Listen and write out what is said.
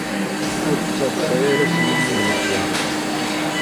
Ur ttadṣa ara s yimi-nnek yerẓem.